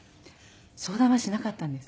相談はしなかったんです。